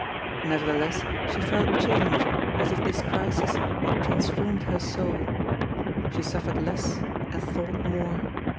Nevertheless, she felt changed, as if this crisis had transformed her soul. She suffered less and thought more.